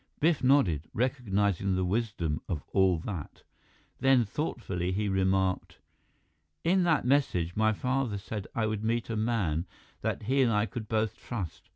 Biff nodded, recognizing the wisdom of all that. Then, thoughtfully, he remarked: "In that message, my father said I would meet a man that he and I could both trust.